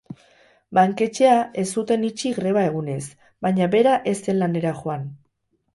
Banketxea ez zuten itxi greba egunez, baina bera ez zen lanera joan.